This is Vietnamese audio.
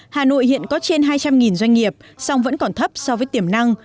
hà nội hiện có trên hai trăm linh doanh nghiệp song vẫn còn thấp so với tiềm năng